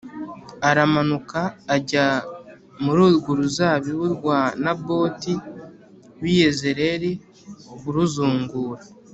aramanuka ajya muri urwo ruzabibu rwa Naboti w’i Yezerēli kuruzungura